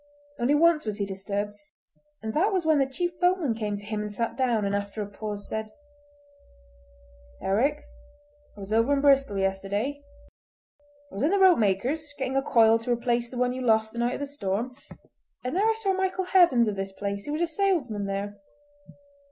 Only once was he disturbed, and that was when the chief boatman came to him and sat down, and after a pause said: "Eric, I was over in Bristol yesterday. I was in the ropemaker's getting a coil to replace the one you lost the night of the storm, and there I saw Michael Heavens of this place, who is a salesman there.